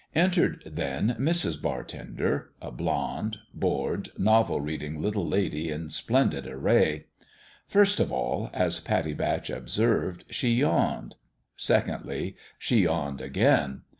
Entered, then, Mrs. Bartender a blonde, bored, novel reading little lady in splendid array. First of all, as Pattie Batch observed, she yawned ; secondly, she yawned again.